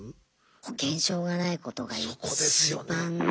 保険証がないことがいちばん。